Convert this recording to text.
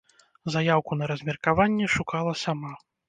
Заяўку на размеркаванне шукала сама.